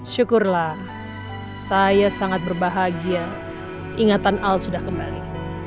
syukurlah saya sangat berbahagia ingatan al sudah kembali